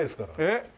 えっ？